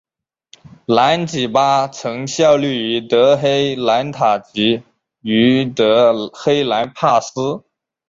兰吉巴曾效力于德黑兰塔吉于德黑兰帕斯。